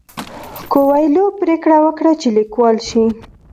کویلیو پریکړه وکړه چې لیکوال شي.